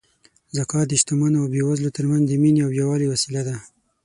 زکات د شتمنو او بېوزلو ترمنځ د مینې او یووالي وسیله ده.